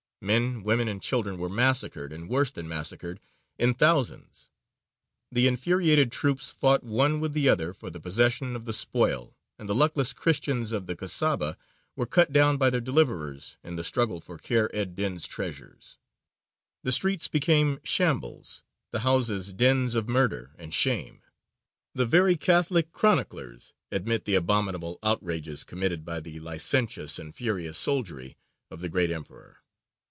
Men, women, and children were massacred, and worse than massacred, in thousands. The infuriated troops fought one with the other for the possession of the spoil, and the luckless Christians of the Kasaba were cut down by their deliverers in the struggle for Kheyr ed dīn's treasures. The streets became shambles, the houses dens of murder and shame: the very Catholic chroniclers admit the abominable outrages committed by the licentious and furious soldiery of the great Emperor.